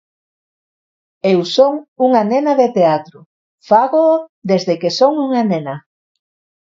Eu son unha nena de teatro, fágoo desde que son unha nena.